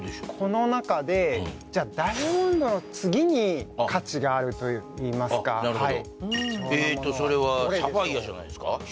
この中でじゃあダイヤモンドの次に価値があるといいますかあっなるほどええとそれはサファイアじゃないですか？